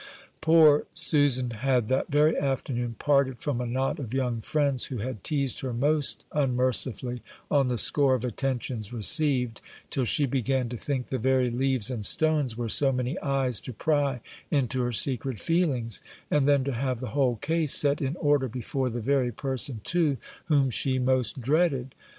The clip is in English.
Poor Susan had that very afternoon parted from a knot of young friends who had teased her most unmercifully on the score of attentions received, till she began to think the very leaves and stones were so many eyes to pry into her secret feelings; and then to have the whole case set in order before the very person, too, whom she most dreaded.